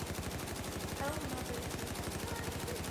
Ew nebiriqiye.